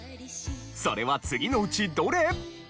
それは次のうちどれ？